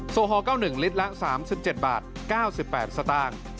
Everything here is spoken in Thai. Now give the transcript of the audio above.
โอฮอล๙๑ลิตรละ๓๗บาท๙๘สตางค์